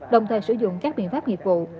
đồng thời sử dụng các biện pháp nghiệp vụ